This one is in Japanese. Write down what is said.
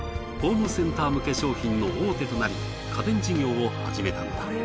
ホームセンター向け商品の大手となり家電事業を始めたのだ。